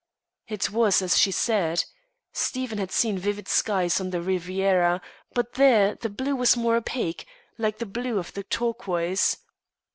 It was as she said. Stephen had seen vivid skies on the Riviera, but there the blue was more opaque, like the blue of the turquoise.